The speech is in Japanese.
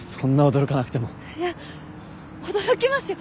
いや驚きますよ。